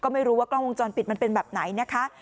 มันเป็นแบบไหนนะคะ